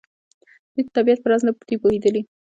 دوی د طبیعت په راز نه دي پوهېدلي.